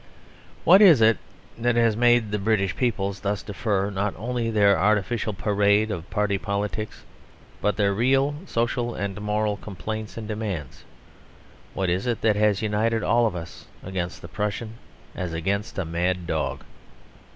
What is it that has made the British peoples thus defer not only their artificial parade of party politics but their real social and moral complaints and demands? What is it that has united all of us against the Prussian, as against a mad dog?